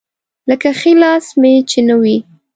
لکه ښی لاس مې چې نه وي.